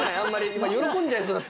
今喜んじゃいそうだった！